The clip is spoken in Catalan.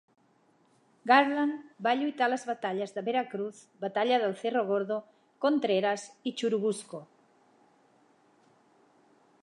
Garland va lluitar a les batalles de Veracruz, Batalla del Cerro Gordo, Contreras i Churubusco.